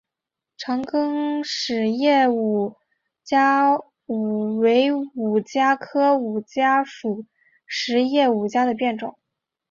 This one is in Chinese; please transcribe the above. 长梗匙叶五加为五加科五加属匙叶五加的变种。